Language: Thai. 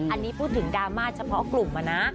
อันนี้พูดถึงดราม่าเฉพาะกลุ่มนะ